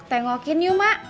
tengokin yuk mak